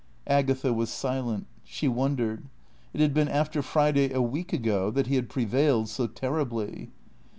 Agatha was silent. She wondered. It had been after Friday a week ago that he had prevailed so terribly.